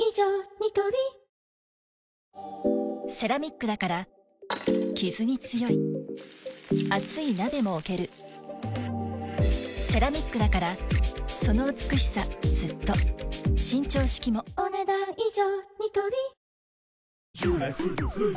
ニトリセラミックだからキズに強い熱い鍋も置けるセラミックだからその美しさずっと伸長式もお、ねだん以上。